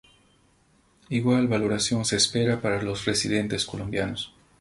Igual valoración se espera para los residentes colombianos.